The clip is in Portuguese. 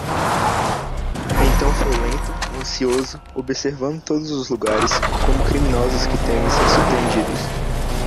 Então foi lento, ansioso, observando todos os lugares, como criminosos que temem ser surpreendidos.